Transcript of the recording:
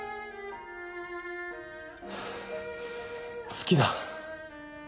好きだ。